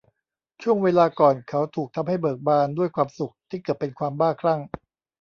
ช่วงเวลาก่อนเขาถูกทำให้เบิกบานด้วยความสุขที่เกือบเป็นความบ้าคลั่ง